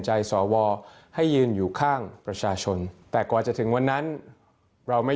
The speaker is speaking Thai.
สวให้ยืนอยู่ข้างประชาชนแต่กว่าจะถึงวันนั้นเราไม่